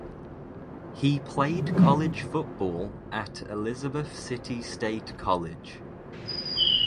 He played college football at Elizabeth City State College.